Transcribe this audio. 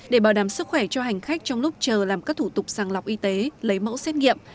để bảo đảm sức khỏe cho hành khách trong lúc chờ làm các thủ tục sàng lọc y tế lấy mẫu xét nghiệm